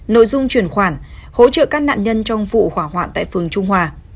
nội dung truyền khoản hỗ trợ các nạn nhân trong vụ khỏa hoạn tại phường trung hòa